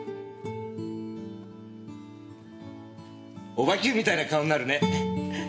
オバＱみたいな顔になるね。